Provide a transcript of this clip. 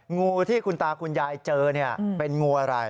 งูที่คุณตาคุณยายเจอเป็นงูอะไร